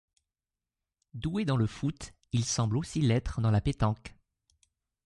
Doué dans le foot, il semble aussi l'être dans la pétanque.